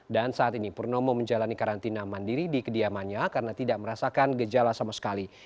dan saat ini purnomo menjalani karantina mandiri di kediamannya karena tidak merasakan gejala sama sekali